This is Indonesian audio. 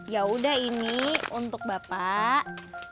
ya udah ini untuk bapak